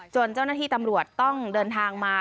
เจ้าหน้าที่ตำรวจต้องเดินทางมา